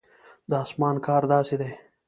د اسمان کار داسې دی.